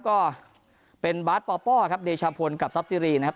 ก็เป็นบาร์ดป้อครับเดชาพลกับซับซีรีนะครับ